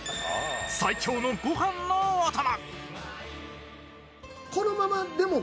最強の御飯のお供。